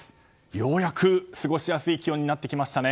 ようやく過ごしやすい気温になってきましたね。